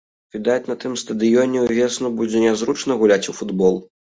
Відаць, на тым стадыёне ўвесну будзе нязручна гуляць у футбол.